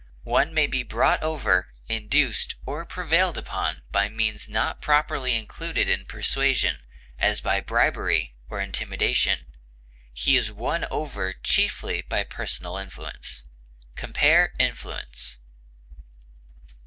One may be brought over, induced, or prevailed upon by means not properly included in persuasion, as by bribery or intimidation; he is won over chiefly by personal influence. Compare INFLUENCE.